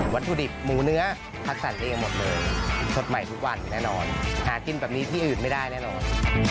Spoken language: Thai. วัตถุดิบหมูเนื้อคัดสรรเองหมดเลยสดใหม่ทุกวันแน่นอนหากินแบบนี้ที่อื่นไม่ได้แน่นอน